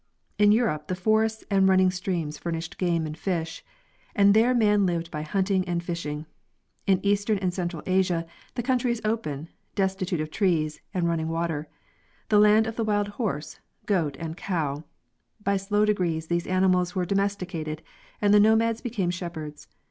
In Europe the forests and running streams furnished game and fish, and there man lived by hunting and fishing. In eastern and central Asia the country is open, destitute of trees and running water, the land of the wild horse, goat and cow ; by slow degrees these animals were domesticated, and the nomads became: shepherds.